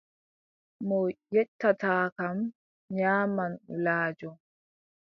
Mo yettataa kam, nyaaman wulaajo.